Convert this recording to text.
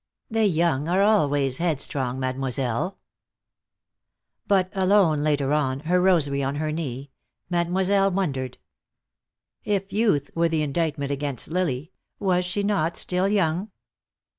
"The young are always headstrong, Mademoiselle." But, alone later on, her rosary on her knee, Mademoiselle wondered. If youth were the indictment against Lily, was she not still young?